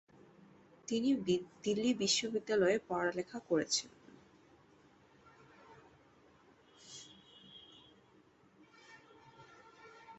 তিনি দিল্লী বিশ্ববিদ্যালয়ে পড়াশোনা করেছিলেন।